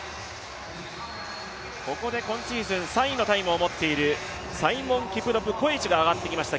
ここで今シーズン３位のタイムを持っているサイモンキプロプ・コエチが上がってきました。